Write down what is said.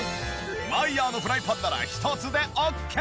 マイヤーのフライパンなら１つでオッケー！